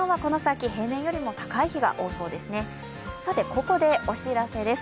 ここでお知らせです。